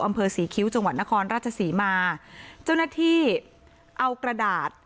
อำเภอศรีคิ้วจังหวัดนครราชศรีมาเจ้าหน้าที่เอากระดาษ